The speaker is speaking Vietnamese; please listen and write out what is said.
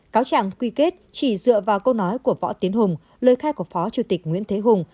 cáo trạng quy kết chỉ dựa vào câu nói của võ tiến hùng lời khai của phó chủ tịch nguyễn thế hùng